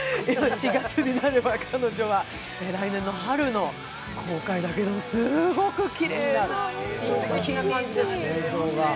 「四月になれば彼女は」、来年の春の公開だけれど、すごくきれいな映像で。